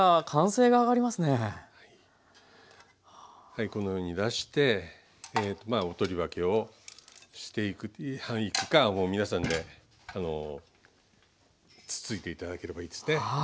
はいこのように出してお取り分けをしていくかもう皆さんでつついて頂ければいいですね。